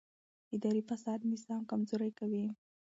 اداري فساد نظام کمزوری کوي